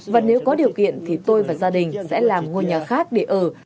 và nếu có điều kiện thì tôi và gia đình sẽ làm ngôi nhà khác để ở